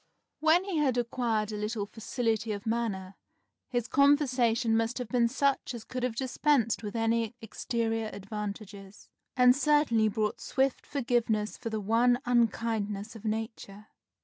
When he had acquired a little facility of manner, his conversation must have been such as could have dispensed with any exterior advantages, and certainly brought swift forgiveness for the one unkindness of nature.